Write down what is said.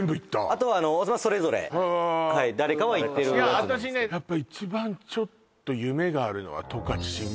あとはそれぞれ誰かは行っているやつですけど私ねやっぱ一番ちょっと夢があるのは十勝しん